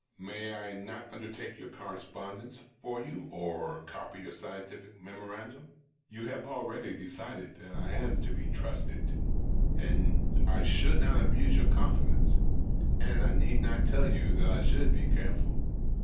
May I not undertake your correspondence for you, or copy your scientific memoranda ? You have already decided that I am to be trusted — that I should not abuse your confidence — and I need not tell you that I should be careful.